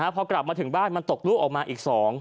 พอกลับมาถึงบ้านมันตกลูกออกมาอีก๒